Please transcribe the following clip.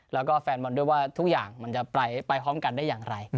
แล้วก็แฟนบอลด้วยว่าทุกอย่างมันจะไปพร้อมกันได้อย่างไร